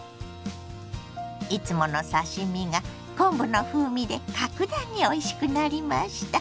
いつもの刺し身が昆布の風味で格段においしくなりました。